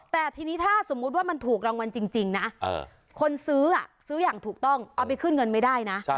แต่ทีนี้ถ้ามันถูกรางวัลจริงคนซื้อยังถูกต้องเอาไปขึ้นเงินไม่ได้นะ